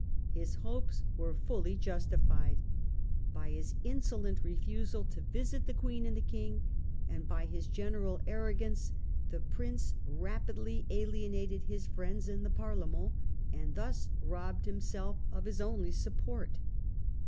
His hopes were fully justified. By his insolent refusal to visit the Queen and the King, and by his general arrogance, the Prince rapidly alienated his friends in the Parlement , and thus robbed himself of his only support.